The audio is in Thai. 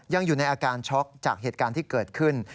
ยังอยู่ในอาการช็อกจากเหตุการณ์ที่เกิดขึ้น